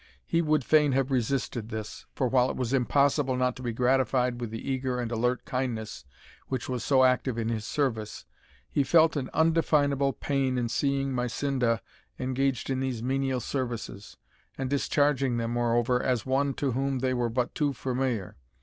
He would fain have resisted this; for while it was impossible not to be gratified with the eager and alert kindness which was so active in his service, he felt an undefinable pain in seeing Mysinda engaged in these menial services, and discharging them, moreover, as one to whom they were but too familiar.